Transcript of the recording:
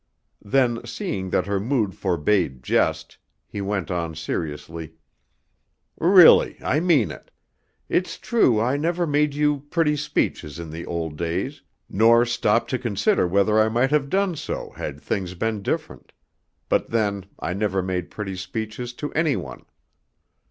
Then seeing that her mood forbade jest, he went on seriously: "Really, I mean it. It's true I never made you pretty speeches in the old days, nor stopped to consider whether I might have done so had things been different; but then I never made pretty speeches to any one.